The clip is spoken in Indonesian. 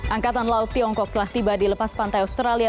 angkatan laut tiongkok telah tiba di lepas pantai australia